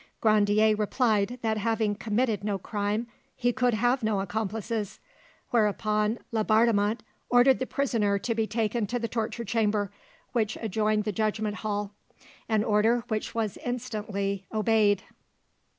Grandier replied that having committed no crime he could have no accomplices, whereupon Laubardemont ordered the prisoner to be taken to the torture chamber, which adjoined the judgment hall—an order which was instantly obeyed.